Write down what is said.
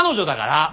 だから？